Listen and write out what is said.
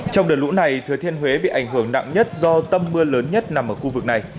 trong đợt lũ này thừa thiên huế bị ảnh hưởng nặng nhất do tâm mưa lớn nhất nằm ở khu vực này